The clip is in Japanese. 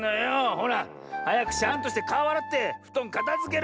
ほらはやくシャンとしてかおあらってふとんかたづける！